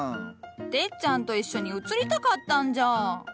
テッチャンと一緒に写りたかったんじゃ。